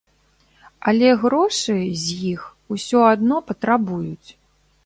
Але грошы з іх усё адно патрабуюць.